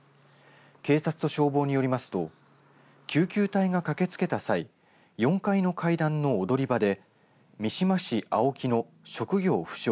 警察と消防によりますと救急隊が駆けつけた際４階の階段の踊り場で三島市青木の職業不詳